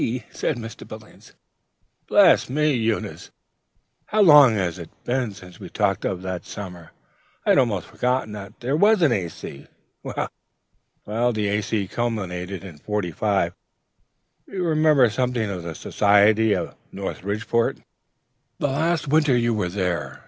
said Mr. Billings. "Bless me, Eunice! how long it is since we have talked of that summer! I had almost forgotten that there ever was an A.C.... Well, the A.C. culminated in '45. You remember something of the society of Norridgeport, the last winter you were there?